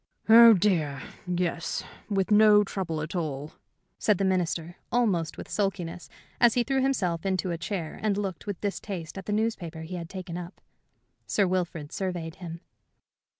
"Oh, dear, yes, with no trouble at all," said the Minister, almost with sulkiness, as he threw himself into a chair and looked with distaste at the newspaper he had taken up. Sir Wilfrid surveyed him.